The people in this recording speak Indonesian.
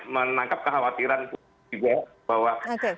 menangkap kekhawatiran juga bahwa